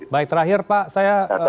baik terakhir pak saya